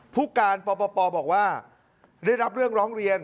ผู้การปปบอกว่าได้รับเรื่องร้องเรียน